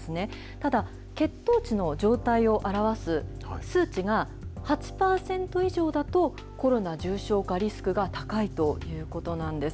ただ、血糖値の状態を表す数値が８％以上だと、コロナ重症化リスクが高いということなんです。